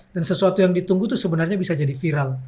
dan sesuatu yang ditunggu itu sebenarnya bisa jadi viral